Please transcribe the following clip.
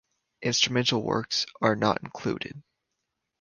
Instrumental works are not included.